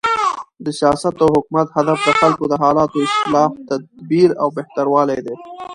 د سیاست او حکومت هدف د خلکو د حالاتو، اصلاح، تدبیر او بهتروالی دئ.